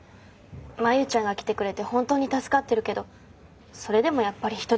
真夕ちゃんが来てくれて本当に助かってるけどそれでもやっぱり人手不足ですよね。